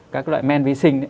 các loại men vi sinh